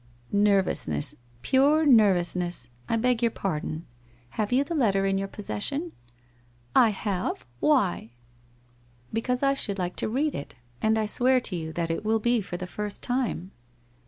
1 Nervousness, pure nervousness. 1 beg your pardon. Have you the letter in your possession?' • I have. Why?' 196 WHITE ROSE OF WEARY LEAF ' Because I should like to read it. And I swear to you that it will be for the first time.'